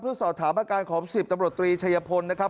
เพื่อสอบถามอาการของ๑๐ตำรวจตรีชัยพลนะครับ